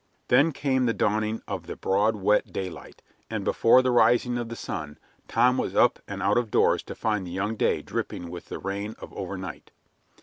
Then came the dawning of the broad, wet daylight, and before the rising of the sun Tom was up and out of doors to find the young day dripping with the rain of overnight.